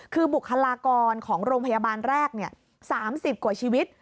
คือบุคลากรของโรงพยาบาลแรก๓๐กว่าชีวิต